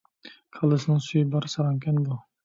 كاللىسىنىڭ سۈيى بار ساراڭكەن بۇ!